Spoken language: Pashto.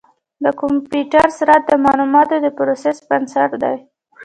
د کمپیوټر سرعت د معلوماتو د پروسس بنسټ دی.